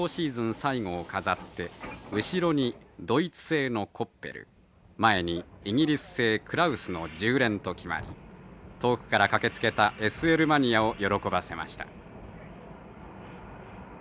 最後を飾って後ろにドイツ製のコッペル前にイギリス製クラウスの重連と決まり遠くから駆けつけたＳＬマニアを喜ばせました。